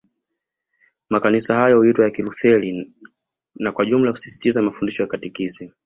Makanisa hayo huitwa ya Kilutheri na Kwa jumla husisitiza mafundisho ya Katekisimu